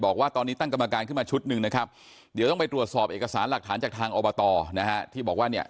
บอกว่าตอนนี้ตั้งกรรมการขึ้นมาชุดหนึ่งนะครับเดี๋ยวต้องไปตรวจสอบเอกสารหลักฐานจากทางอบตนะฮะที่บอกว่าเนี่ย